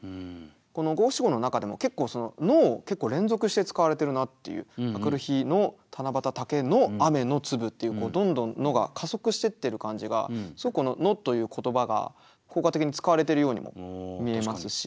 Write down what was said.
この五七五の中でも結構「翌る日の七夕竹の雨の粒」っていうどんどん「の」が加速してってる感じがすごくこの「の」という言葉が効果的に使われてるようにも見えますし。